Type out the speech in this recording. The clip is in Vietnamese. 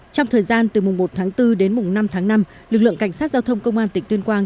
trong thời gian từ mùng một tháng bốn đến mùng năm tháng năm lực lượng cảnh sát giao thông công an tỉnh tuyên quang